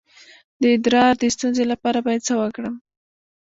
د ادرار د ستونزې لپاره باید څه وکړم؟